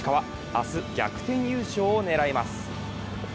明日、逆転優勝を狙います。